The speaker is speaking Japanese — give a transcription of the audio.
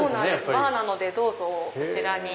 バーなのでどうぞこちらに。